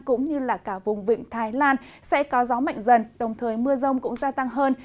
cũng như là cả vùng vịnh thái lan sẽ có gió mạnh dần đồng thời mưa rông cũng gia tăng hơn